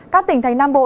các tỉnh thành nam bộ